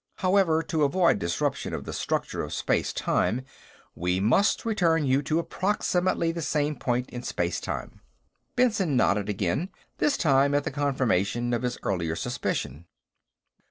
However, to avoid disruption of the structure of space time, we must return you to approximately the same point in space time." Benson nodded again, this time at the confirmation of his earlier suspicion.